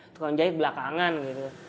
tukang jahit belakangan gitu